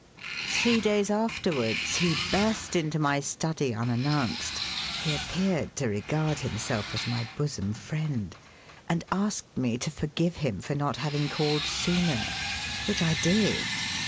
Three days afterwards he burst into my study unannounced he appeared to regard himself as my bosom friend and asked me to forgive him for not having called sooner, which I did.